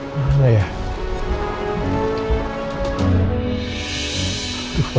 tidur dulu dulu dengan pembenderungan bék